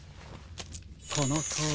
このとおり。